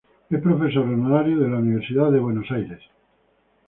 Es profesor honorario de la Universidad de Buenos Aires.